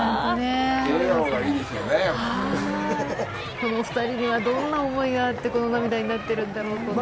このお２人にはどんな思いがあって、この涙になってるんだろうとね。